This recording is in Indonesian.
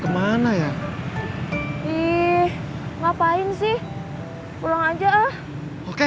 aku mau pulang